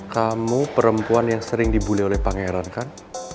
kamu perempuan yang sering dibully oleh pangeran kan